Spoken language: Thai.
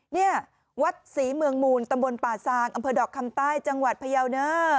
เนี่ยวัดศรีเมืองมูลตำบลป่าซางอำเภอดอกคำใต้จังหวัดพยาวเนอร์